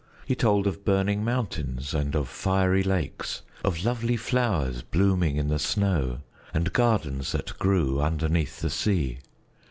He told of burning mountains and of fiery lakes, of lovely flowers blooming in the snow, and gardens that grew underneath the sea.